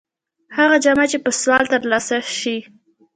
هغه جامه چې په سوال تر لاسه شي.